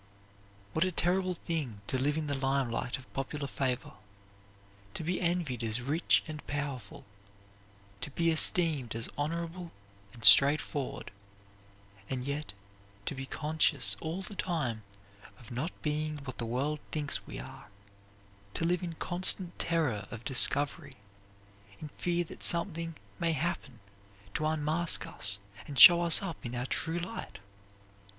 What a terrible thing to live in the limelight of popular favor, to be envied as rich and powerful, to be esteemed as honorable and straightforward, and yet to be conscious all the time of not being what the world thinks we are; to live in constant terror of discovery, in fear that something may happen to unmask us and show us up in our true light!